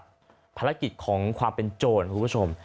มินติดักษีของความเป็นโจรนะคุณผู้ชม